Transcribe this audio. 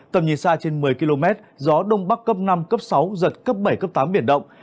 tầm nhìn xa trên một mươi km gió đông bắc cấp năm cấp sáu giật cấp bảy cấp tám biển động